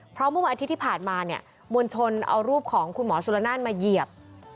เพราะเมื่อวันอาทิตย์ที่ผ่านมาเนี่ยมวลชนเอารูปของคุณหมอสุรนานมาเหยียบ